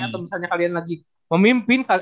atau misalnya kalian lagi memimpin